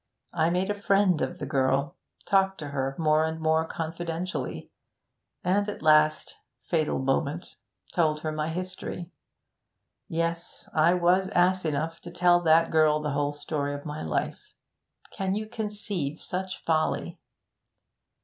I made a friend of the girl; talked to her more and more confidentially; and at last fatal moment told her my history. Yes, I was ass enough to tell that girl the whole story of my life. Can you conceive such folly?